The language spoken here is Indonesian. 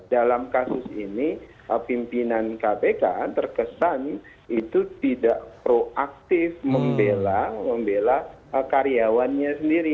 dalam kasus ini pimpinan kpk terkesan itu tidak proaktif membela karyawannya sendiri